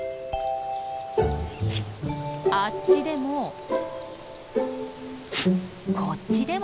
あっちでもこっちでも。